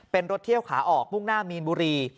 เป็นรถเที่ยวขาออกมุ่งหน้ามีนบุรี